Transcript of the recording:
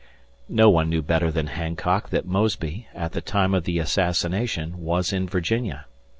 No one knew better than Hancock that Mosby, at the time of the assassination, was in Virginia.